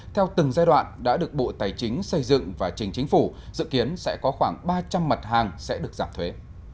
theo từng giai đoạn đã được bộ tài chính xây dựng và trình chính phủ dự kiến sẽ có khoảng ba trăm linh mật hàng sẽ được giảm thuế